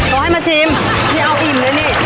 เกลียดเอี้ยวอิ่มด้วย